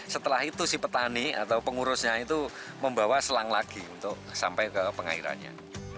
setelah itu si petani atau pengurusnya itu membawa selang lagi untuk sampai ke pengairannya